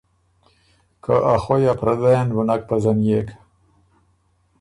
که ا خوئ ا پردئ ن بُو نک پزنيېک۔